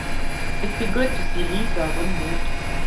It'd be good to see Lisa, wouldn't it?